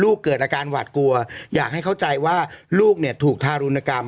เกิดอาการหวาดกลัวอยากให้เข้าใจว่าลูกเนี่ยถูกทารุณกรรม